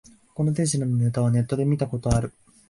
この手品のネタはネットで見たことある